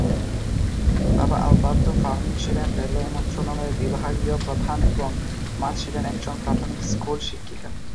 বাবা Alberto Fermi ছিলেন railway মন্ত্রণালয়ের বিভাগীয় প্রধান এবং মা ছিলেন একজন প্রাথমিক স্কুল শিক্ষিকা।